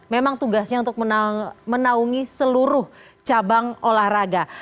memang tugasnya untuk menaungi seluruh cabang olahraga